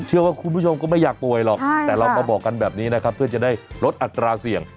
เชื่อว่าคุณผู้ชมก็ไม่อยากป่วยหรอกแต่เรามาบอกกันแบบนี้นะครับเพื่อจะได้ลดอัตราเสี่ยง